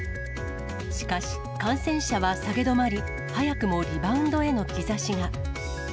しかし、感染者は下げ止まり、早くもリバウンドへの兆しが。